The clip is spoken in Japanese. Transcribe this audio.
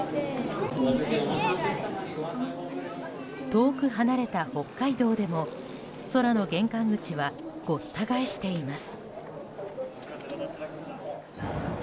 遠く離れた北海道でも空の玄関口はごった返しています。